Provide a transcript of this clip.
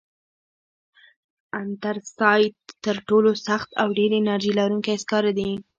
انترسایت تر ټولو سخت او ډېر انرژي لرونکی سکاره دي.